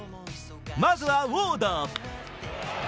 まずはウォード。